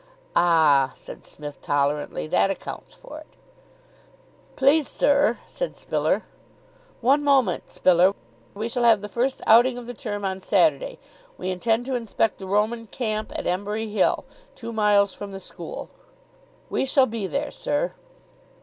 "Ah," said Psmith, tolerantly, "that accounts for it." "Please, sir " said Spiller. "One moment, Spiller. We shall have the first outing of the term on Saturday. We intend to inspect the Roman Camp at Embury Hill, two miles from the school." "We shall be there, sir."